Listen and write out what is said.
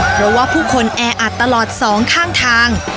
เพราะว่าผู้คนแออัดตลอดสองข้างทาง